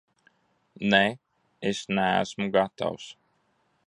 Nē, es neesmu gatavs.